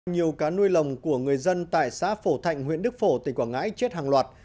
nhiều cá nuôi lồng của người dân tại xã phổ thạnh huyện đức phổ tỉnh quảng ngãi chết hàng loạt